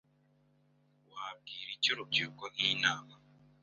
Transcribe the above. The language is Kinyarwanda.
wabwira iki urubyiruko nk'inama